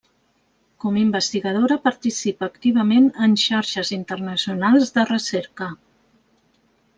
Com investigadora participa activament en xarxes internacionals de recerca.